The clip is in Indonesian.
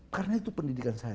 karena itu pendidikan saya